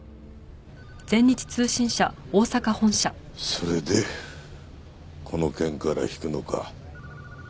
それでこの件から引くのか。